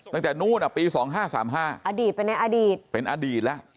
ตั้งแต่นู้นอ่ะปี๒๕๓๕อดีตเป็นในอดีตเป็นอดีตแล้ว